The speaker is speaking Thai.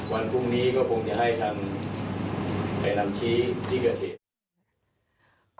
วันพรุ่งนี้ก็คงจะให้ทางไปนำชี้ที่เกิดเหตุ